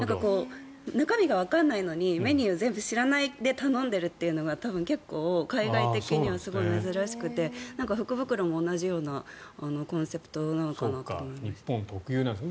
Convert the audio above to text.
中身がわからないのにメニューを全部知らないで頼んでいるというのが多分、結構海外的にはすごい珍しくて福袋も同じようなコンセプトなのかなと思いました。